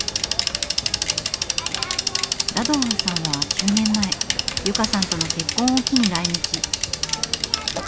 ラドワンさんは９年前由佳さんとの結婚を機に来日。